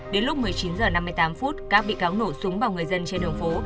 đến lúc một mươi chín h năm mươi tám phút các bị cáo nổ súng vào người dân trên đường phố